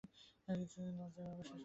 কিন্তু লজ্জার ব্যাপার, সে সময় চলে গেছে।